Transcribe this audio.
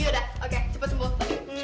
yaudah oke cepet sembuh